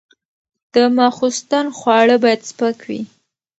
د ماخوستن خواړه باید سپک وي.